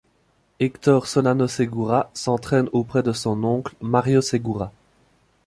Héctor Solano Segura s'entraîne auprès de son oncle Mario Segura.